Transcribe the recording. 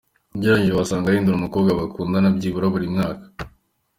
Ugereranije wasanga ahindura umukobwa bakundana byibura buri mwaka.